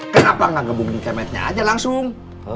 kenapa gak ngebungkin kemetnya aja langsung